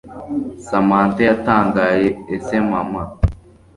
Samantha yatangaye ese mama